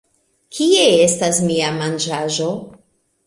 Kie estas mia manĝaĵo?